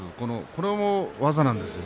これも技なんですよ。